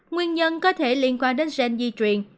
nguyên nhân có thể liên quan đến gen di truyền